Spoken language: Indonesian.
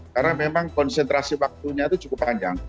karena memang konsentrasi waktunya itu cukup panjang